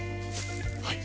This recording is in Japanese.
はい。